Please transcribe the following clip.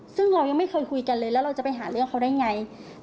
ซึ่งเรายังไม่เคยคุยกันเลยแล้วเราจะไปหาเรื่องเขาได้ไง